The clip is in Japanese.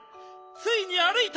ついにあるいた！